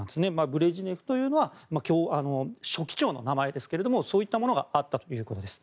ブレジネフというのは書記長の名前ですがそういったものがあったということなんです。